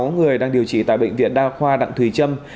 sáu người đang điều trị tại bệnh viện đa khoa đặng thùy trâm